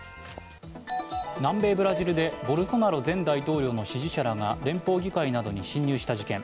南米ブラジルでボルソナロ前大統領の支持者らが連邦議会などに侵入した事件。